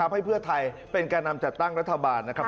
ให้เพื่อไทยเป็นแก่นำจัดตั้งรัฐบาลนะครับ